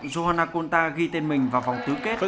johanna conta ghi tên mình vào vòng tư kết